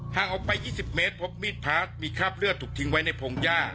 ทางออกไป๒๐เมตรพบมีดพาร์ทมีคราบเลือดถูกทิ้งไว้ในพงหญ้า